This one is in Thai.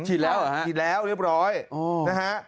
ฉีดแล้วฉีดแล้วเรียบร้อยนะฮะ